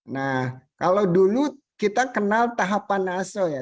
nah kalau dulu kita kenal tahapan aso ya